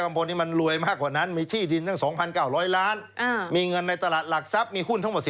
ผมก็พูดยืดทรัพย์เนี่ยเป็นไงเป็นไร